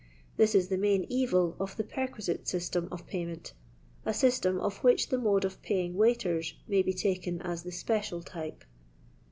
This is the main evil of the " perquisite system of payment* (a system of which the mode of paying waiters may be taken as the special type).